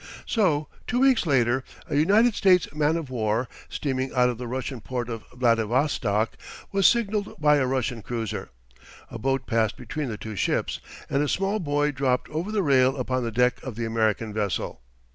So, two weeks later, a United States man of war, steaming out of the Russian port of Vladivostok, was signaled by a Russian cruiser. A boat passed between the two ships, and a small boy dropped over the rail upon the deck of the American vessel.